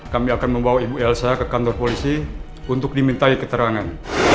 kami akan membawa ibu elsa ke kantor polisi untuk dimintai keterangan